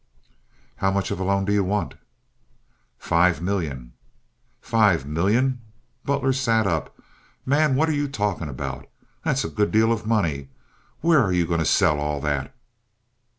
"How much of the loan do you want?" "Five million." "Five million!" Butler sat up. "Man, what are you talking about? That's a good deal of money. Where are you going to sell all that?"